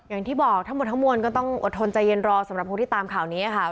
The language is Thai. อย่างที่บอกทั้งหมดทั้งมวลก็ต้องอดทนใจเย็นรอสำหรับผู้ที่ตามข่าวนี้ค่ะ